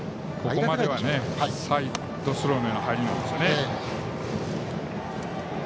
ここまではサイドスローの入りですね。